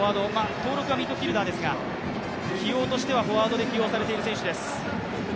登録はミッドフィルダーですが、フォワードで起用されている選手です。